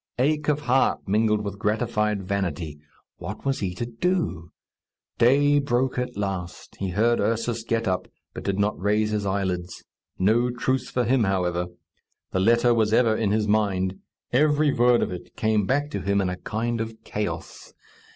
Ache of heart mingled with gratified vanity. What was he to do? Day broke at last; he heard Ursus get up, but did not raise his eyelids. No truce for him, however. The letter was ever in his mind. Every word of it came back to him in a kind of chaos.